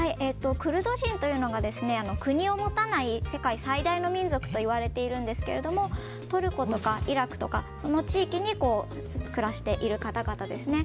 クルド人というのが国を持たない世界最大の民族といわれているんですけれどもトルコとかイラクとかその地域に暮らしている方々ですね。